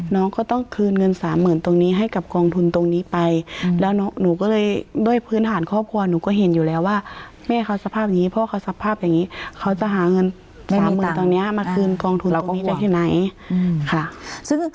เพราะว่าสภาพอย่างนี้เค้าจะหาเงิน๓๐๐๐๐บาทตรงนี้มาคืนกองทุนตรงนี้ได้ที่ไหน